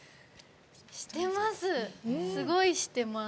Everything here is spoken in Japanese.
してます！